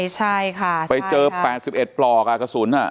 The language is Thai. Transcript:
ใช่ค่ะไปเจอ๘๑ปลอกกระสุน